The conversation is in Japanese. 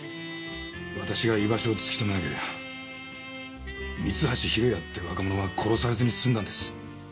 私が居場所を突き止めなけりゃ三橋弘也って若者は殺されずにすんだんです。